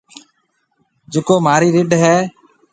جڪو مهارِي رڍ هيَ۔